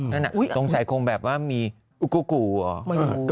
นั่นน่ะตรงใส่คงแบบว่ามีอุ๊กกูอ่ะ